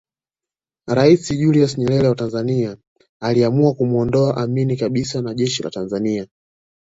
Rais Julius Nyerere wa Tanzania aliamua kumuondoa Amin kabisa na jeshi la Tanzania